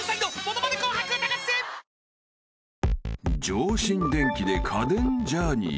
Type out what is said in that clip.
［上新電機で家電ジャーニー］